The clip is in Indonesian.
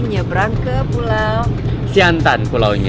nyebrang ke pulau siantan